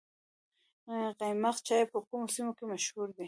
قیماق چای په کومو سیمو کې مشهور دی؟